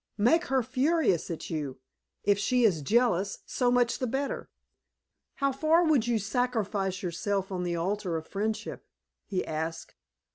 Make her furious at you. If she is jealous, so much the better." "How far would you sacrifice yourself on the altar of friendship?" he asked.